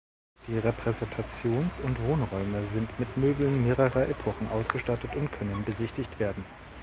Die Repräsentations- und Wohnräume sind mit Möbeln mehrerer Epochen ausgestattet und können besichtigt werden.